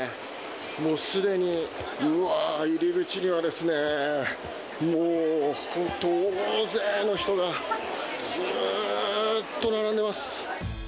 もうすでに、うわー、入り口にはですね、もう大勢の人が、ずーっと並んでます。